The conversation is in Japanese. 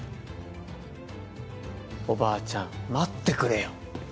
おばあちゃん待ってくれよ。